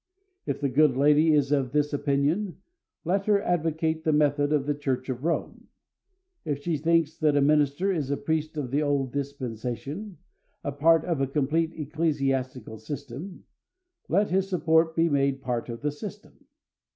If the good lady is of this opinion, let her advocate the method of the Church of Rome. If she thinks that a minister is a priest of the old dispensation, a part of a complete ecclesiastical system, let his support be made part of the system.